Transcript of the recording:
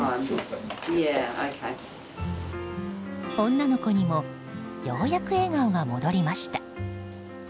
女の子にもようやく笑顔が戻りました。